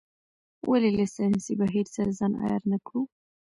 ولې له ساینسي بهیر سره ځان عیار نه کړو.